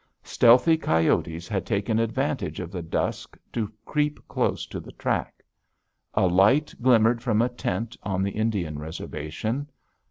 Stealthy coyotes had taken advantage of the dusk to creep close to the track. A light glimmered from a tent on the Indian reservation.